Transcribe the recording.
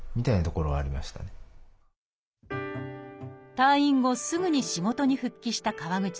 退院後すぐに仕事に復帰した川口さん。